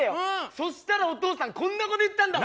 そしたらお父さんこんなこと言ったんだわ。